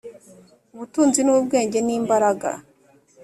ubutunzi n’ubwenge n’imbaraga,